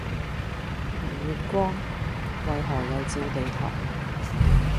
明月光，為何又照地堂